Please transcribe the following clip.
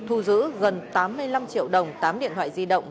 thu giữ gần tám mươi năm triệu đồng tám điện thoại di động